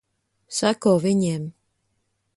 Seko viņiem.